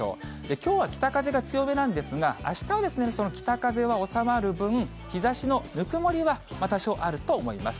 きょうは北風が強めなんですが、あしたはその北風は収まる分、日ざしのぬくもりは多少あると思います。